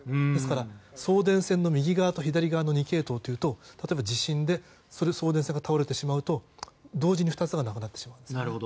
ですから、送電線の右側と左側の２系統というと例えば、地震で送電線が倒れてしまうと同時に２つがなくなってしまう。